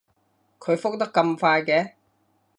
佢覆得咁快嘅